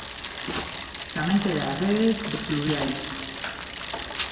Tamén terá rede de pluviais.